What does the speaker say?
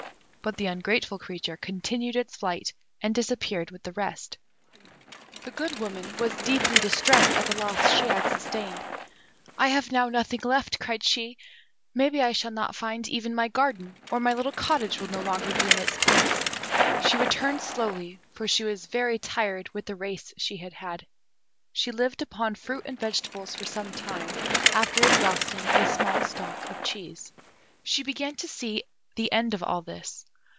But the ungrateful creature continued its flight, and disappeared with the rest. The Good Woman was deeply distressed at the loss she had sustained. "I have now nothing left," cried she; "maybe I shall not find even my garden; or my little cottage will be no longer in its place." She returned slowly, for she was very tired with the race she had had. She lived upon fruit and vegetables for some time after exhausting a small stock of cheese. She began to see the end of all this.